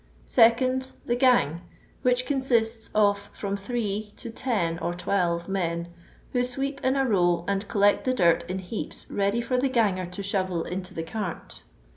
2nd. Thp gang, which consists of from three to ten or twelve men, who swefp in a row and collect the dirt in heaps ready for the ganger to shovel into the cart.